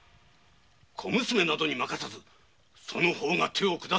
小娘などに任せずその方が手を下すのじゃ！